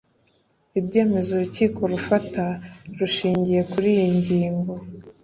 Ibyemezo urukiko rufata rushingiye kuri iyi ngingo